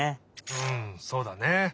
うんそうだね。